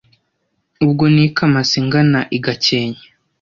ubwo nikamase ngana i gakenke